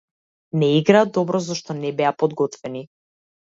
Не играа добро зашто не беа подготвени.